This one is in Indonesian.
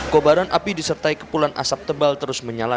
kobaran api disertai kepulan asap tebal terus menyala